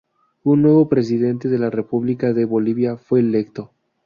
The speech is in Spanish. Un nuevo presidente de la República de Bolivia fue electo.